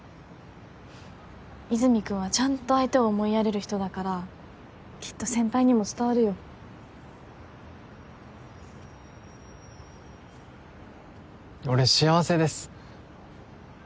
和泉君はちゃんと相手を思いやれる人だからきっと先輩にも伝わるよ俺幸せです